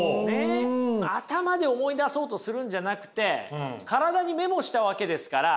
頭で思い出そうとするんじゃなくて体にメモしたわけですから。